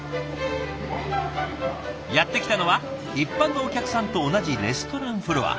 やって来たのは一般のお客さんと同じレストランフロア。